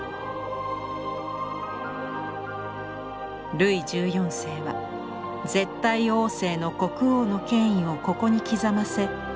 ルイ１４世は絶対王政の国王の権威をここに刻ませ世に知らしめたのです。